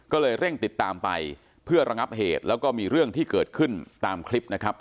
ก็เลยเร่งติดตามไปเพื่อระงับเหตุแล้วก็มีเรื่องที่เกิดขึ้นตามคลิปนะครับ